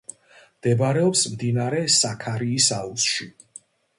მდებარეობს მდინარე საქარიის აუზში.